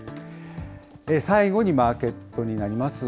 最後にマーケットになります。